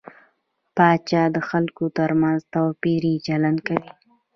پاچا د خلکو تر منځ توپيري چلند کوي .